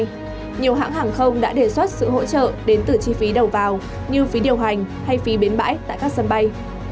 nhiều hãng hàng không đã đề xuất sự hỗ trợ đến từ chi phí đầu vào như phí điều hành hay phí biến bãi tại các sân bay